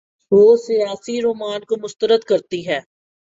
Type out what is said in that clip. وہ سیاسی رومان کو مسترد کرتی ہے۔